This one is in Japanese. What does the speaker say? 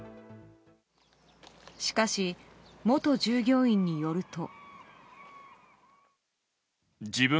しかし、元従業員によると。